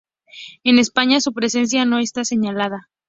En España, su presencia no está señalada.